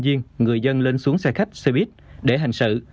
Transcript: tuy nhiên người dân lên xuống xe khách xe buýt để hành sự